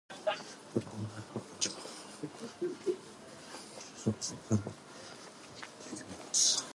Upon arrival in Japan he was immediately arrested on charges of falsifying official documents.